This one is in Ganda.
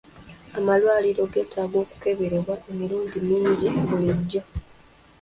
Amalwaliro geetaaga okuberebwa emirundi mingi bulijjo.